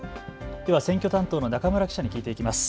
では選挙担当の中村記者に聞いていきます。